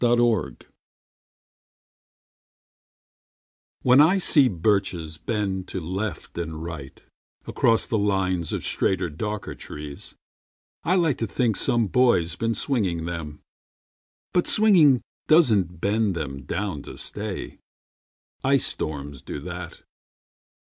BIRCHES When I see birches bend to left and right Across the lines of straighter darker trees, I like to think some boy's been swinging them. But swinging doesn't bend them down to stay. Ice storms do that.